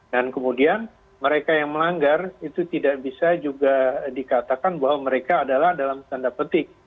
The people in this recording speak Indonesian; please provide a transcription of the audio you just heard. dan kemudian mereka yang melanggar itu tidak bisa juga dikatakan bahwa mereka adalah dalam tanda petik